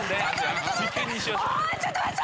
ちょっと待って！